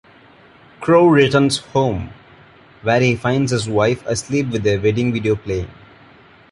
Crowe returns home, where he finds his wife asleep with their wedding video playing.